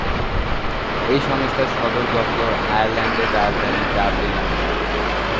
এই সংস্থার সদর দপ্তর আয়ারল্যান্ডের রাজধানী ডাবলিনে অবস্থিত।